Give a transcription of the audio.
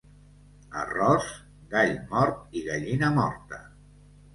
Arròs, gall mort i gallina morta.